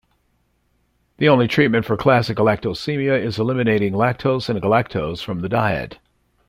The only treatment for classic galactosemia is eliminating lactose and galactose from the diet.